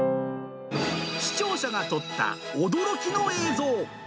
視聴者が撮った驚きの映像。